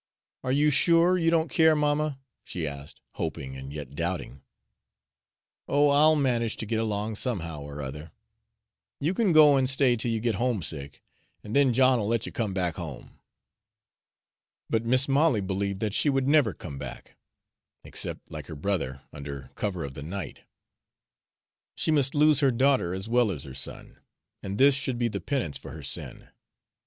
"Are you sure you don't care, mamma?" she asked, hoping and yet doubting. "Oh, I'll manage to git along somehow or other. You can go an' stay till you git homesick, an' then John'll let you come back home." But Mis' Molly believed that she would never come back, except, like her brother, under cover of the night. She must lose her daughter as well as her son, and this should be the penance for her sin.